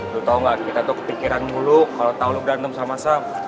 lo tau gak kita tuh kepikiran mulu kalo tau lo ganteng sama sam